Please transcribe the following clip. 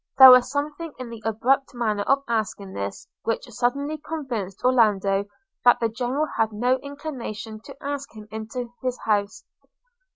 There was something in the abrupt manner of asking this, which suddenly convinced Orlando that the General had no inclination to ask him into his house.